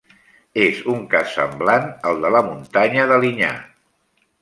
És un cas semblant al de la muntanya d'Alinyà.